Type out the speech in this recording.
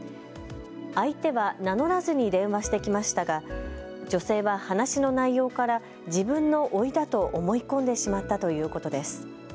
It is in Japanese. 相手は名乗らずに電話してきましたが女性は話の内容から自分のおいだと思い込んでしまったということです。